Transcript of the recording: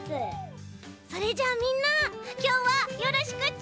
それじゃあみんなきょうはよろしくち。